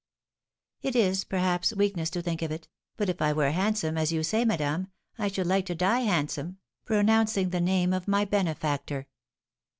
"It is, perhaps, weakness to think of it, but if I were handsome, as you say, madame, I should like to die handsome, pronouncing the name of my benefactor."